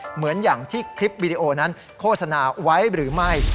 เหมือนอย่างที่คลิปวิดีโอนั้นโฆษณาไว้หรือไม่